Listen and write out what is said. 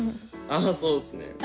ああそうっすね。